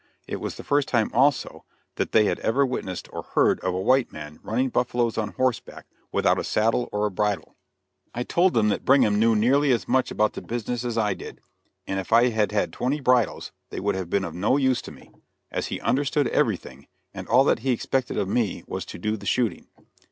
It was the first time, also, that they had ever witnessed or heard of a white man running buffaloes on horseback without a saddle or a bridle. I told them that Brigham knew nearly as much about the business as I did, and if I had had twenty bridles they would have been of no use to me, as he understood everything, and all that he expected of me was to do the shooting.